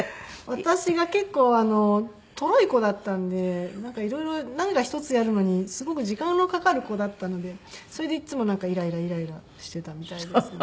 私が結構とろい子だったんでなんか色々何か一つやるのにすごく時間のかかる子だったのでそれでいっつもイライライライラしていたみたいですね。